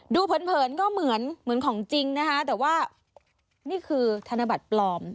เผินก็เหมือนเหมือนของจริงนะคะแต่ว่านี่คือธนบัตรปลอม